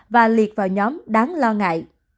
và liệt vào nhóm đáng lo ngại